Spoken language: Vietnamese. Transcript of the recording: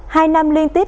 hai năm liên tiếp